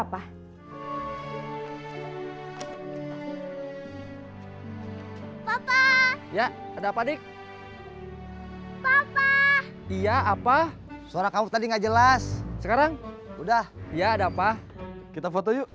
hai papa ya ada padik papa iya apa suara kamu tadi nggak jelas sekarang udah ya ada apa kita foto yuk